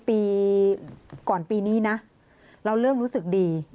ปีก่อนปีนี้นะเราเริ่มรู้สึกดี